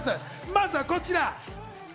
まずはこちら！